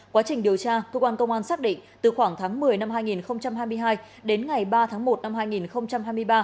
quá trình điều tra cơ quan công an xác định từ khoảng tháng một mươi năm hai nghìn hai mươi hai đến ngày ba tháng một năm hai nghìn hai mươi ba